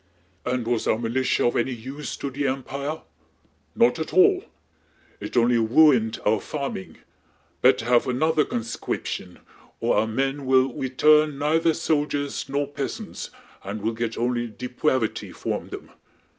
"And was our militia of any use to the Empia? Not at all! It only wuined our farming! Bettah have another conscwiption... o' ou' men will wetu'n neithah soldiers no' peasants, and we'll get only depwavity fwom them.